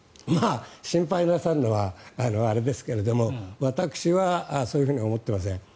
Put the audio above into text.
心配なさるのはあれですけれど私はそういうふうには思っていません。